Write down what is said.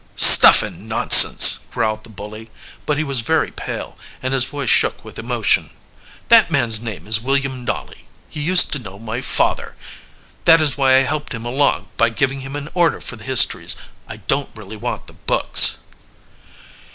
"Stuff and nonsense!" growled the bully, but he was very pale, and his voice shook with emotion. "That man's name is William Nolly. He used to know my father. That is why I helped him along by giving him an order for the histories. I don't really want the books."